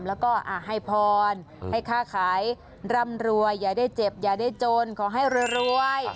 แล้วก็ให้พรให้ค่าขายร่ำรวยอย่าได้เจ็บอย่าได้จนขอให้รวย